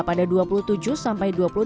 pada dua puluh tujuh sampai dua puluh tiga